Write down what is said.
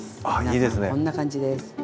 皆さんこんな感じです。